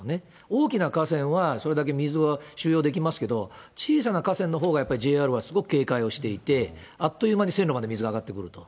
大きな河川はそれだけ水を収容できますけど、小さな河川のほうがやっぱりＪＲはすごく警戒をしていて、あっという間に線路に水が上がってくると。